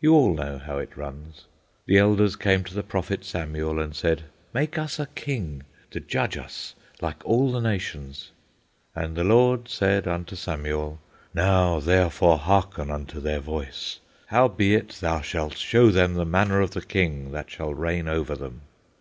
You all know how it runs. The elders came to the prophet Samuel, and said: "Make us a king to judge us like all the nations." And the Lord said unto Samuel: Now therefore hearken unto their voice; howbeit thou shalt show them the manner of the king that shall reign over them.